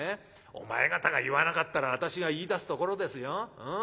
お前方が言わなかったら私が言いだすところですよ。